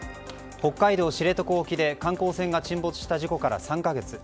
北海道知床沖で観光船が沈没した事故から３か月。